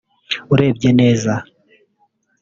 urebye neza